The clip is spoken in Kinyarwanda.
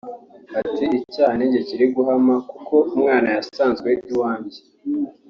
Ati “Icyaha ni jyewe kiri guhama kuko umwana yasanzwe iwanjye